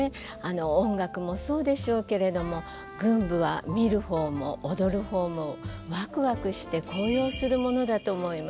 音楽もそうでしょうけれども群舞は見る方も踊る方もワクワクして高揚するものだと思います。